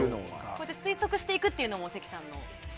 推測していくというのも関さん。